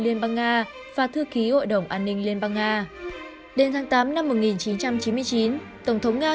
liên bang nga và thư ký hội đồng an ninh liên bang nga đến tháng tám năm một nghìn chín trăm chín mươi chín tổng thống nga